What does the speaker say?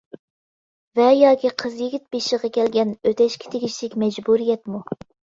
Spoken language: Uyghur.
ۋە ياكى قىز-يىگىت بېشىغا كەلگەن، ئۆتەشكە تېگىشلىك مەجبۇرىيەتمۇ.